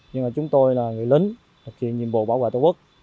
nhưng mà chúng tôi là người lính thực hiện nhiệm vụ bảo vệ tổ quốc